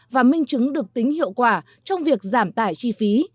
và minh chứng được tính hiệu quả trong việc giảm tải chi phí